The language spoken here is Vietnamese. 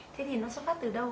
thế thì nó xuất phát từ đâu